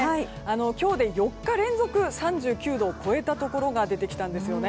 今日で４日連続３９度を超えたところが出てきたんですね。